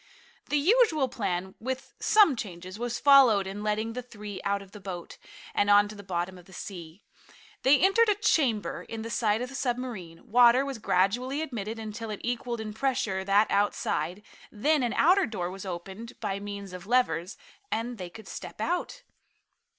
The usual plan, with some changes, was followed in letting the three out of the boat, and on to the bottom of the sea. They entered a chamber in the side of the submarine, water was gradually admitted until it equaled in pressure that outside, then an outer door was opened by means of levers, and they could step out.